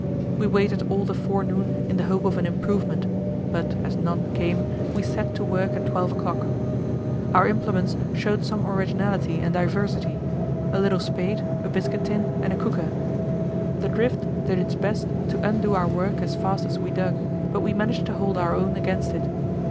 We waited all the forenoon in the hope of an improvement; but as none came, we set to work at twelve o'clock. Our implements showed some originality and diversity: a little spade, a biscuit tin, and a cooker. The drift did its best to undo our work as fast as we dug, but we managed to hold our own against it.